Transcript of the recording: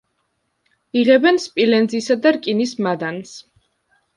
იღებენ სპილენძისა და რკინის მადანს.